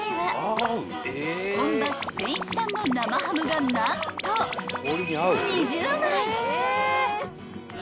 ［本場スペイン産の生ハムが何と２０枚！］